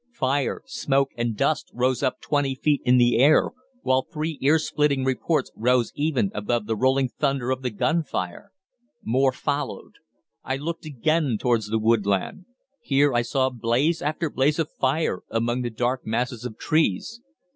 Fire, smoke, and dust rose up twenty feet in the air, while three ear splitting reports rose even above the rolling thunder of the gunfire. More followed. I looked again towards the woodland. Here I saw blaze after blaze of fire among the dark masses of trees.